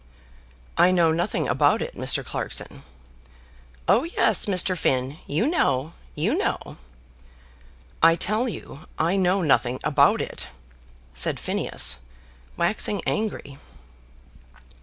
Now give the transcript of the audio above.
"I know nothing about it, Mr. Clarkson." "Oh yes, Mr. Finn; you know; you know." "I tell you I know nothing about it," said Phineas, waxing angry.